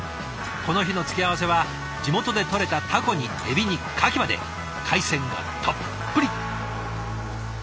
この日の付け合わせは地元でとれたたこにえびにかきまで海鮮がたっぷり。